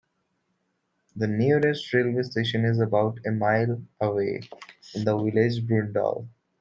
The nearest railway station is about a mile away, in the village of Brundall.